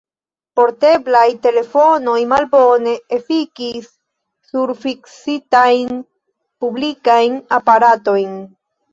Porteblaj telefonoj malbone efikis sur fiksitajn, publikajn aparatojn.